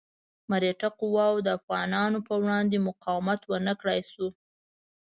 مرهټه قواوو د افغانانو په وړاندې مقاومت ونه کړای شو.